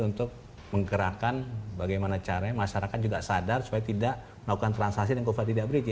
untuk menggerakkan bagaimana caranya masyarakat juga sadar supaya tidak melakukan transaksi yang kufa tidak berizin